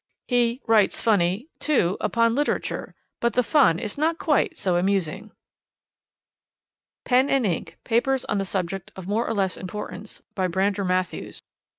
He 'writes funny,' too, upon literature, but the fun is not quite so amusing. Pen and Ink: Papers on Subjects of More or Less Importance. By Brander Matthews.